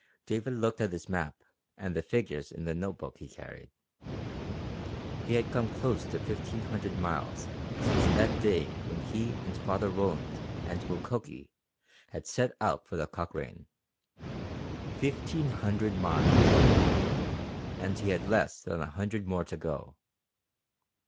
David looked at his map and at the figures in the notebook he carried. He had come close to fifteen hundred miles since that day when he and Father Roland and Mukoki had set out for the Cochrane. Fifteen hundred miles! And he had less than a hundred more to go!